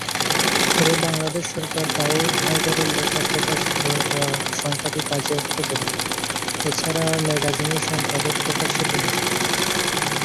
পরে বাংলাদেশ সরকার দাউদ হায়দারের লেখা প্রকাশিত হওয়ার সংখ্যাটি বাজেয়াপ্ত করে, এছাড়া ম্যাগাজিনের সম্পাদক প্রকাশ্যে ক্ষমা চান।